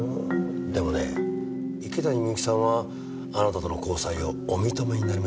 でもね池谷美由紀さんはあなたとの交際をお認めになりましたよ。